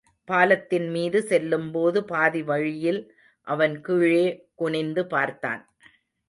பாலத்தின் மீது செல்லும்போது பாதிவழியில் அவன் கீழே குனிந்து பார்த்தான்.